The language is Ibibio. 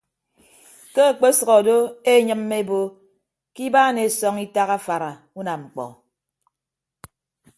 Ke ekpesʌk odo eenyịmme ebo ke ibaan esọñ itak afara unamñkpọ.